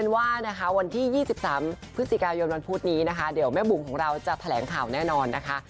วันที่๒๓พฤศจิกายมด้านพูดนี้เดี๋ยวแม่บุมของเราจะแถลงข่ายแน่นอนนะคะ